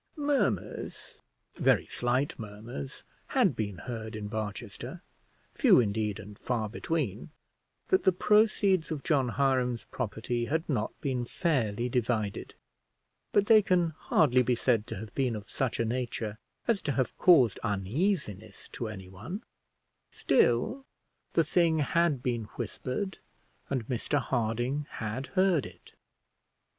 Murmurs, very slight murmurs, had been heard in Barchester, few indeed, and far between, that the proceeds of John Hiram's property had not been fairly divided: but they can hardly be said to have been of such a nature as to have caused uneasiness to anyone: still the thing had been whispered, and Mr Harding had heard it.